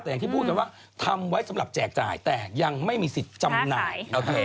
แต่อย่างที่พูดกันว่าทำไว้สำหรับแจกจ่ายแต่ยังไม่มีสิทธิ์จำหน่ายโอเค